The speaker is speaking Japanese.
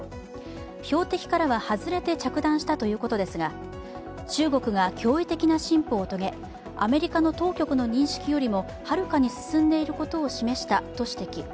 標的からは外れて着弾したということですが中国が驚異的な進歩を遂げアメリカの当局の認識よりもはるかに進んでいることを示したと指摘。